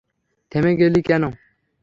থেমে গেলি কেন?